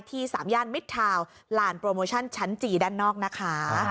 สามย่านมิดทาวน์ลานโปรโมชั่นชั้นจีด้านนอกนะคะ